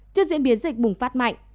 trước diễn biến dịch bùng phát mạnh